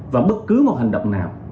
và bất cứ một hành động nào